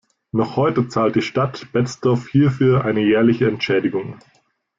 Noch heute zahlt die Stadt Betzdorf hierfür eine jährliche Entschädigung.